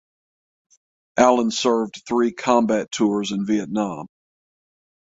Allen served three combat tours in Vietnam.